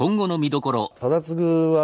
忠次はね